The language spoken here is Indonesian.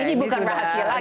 ini bukan rahasia lagi